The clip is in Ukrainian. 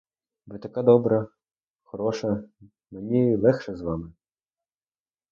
Ви така добра, хороша, мені легше з вами.